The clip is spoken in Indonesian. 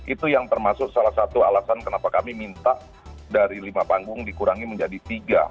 itu yang termasuk salah satu alasan kenapa kami minta dari lima panggung dikurangi menjadi tiga